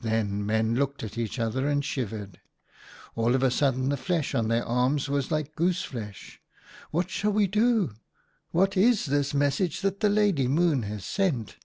"Then Men looked at each other and shivered. All of a sudden the flesh on their arms was like goose flesh. ■ What shall we do? What is this message that the Lady Moon has sent